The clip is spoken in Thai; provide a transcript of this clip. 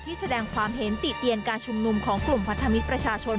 แสดงความเห็นติเตียนการชุมนุมของกลุ่มพันธมิตรประชาชน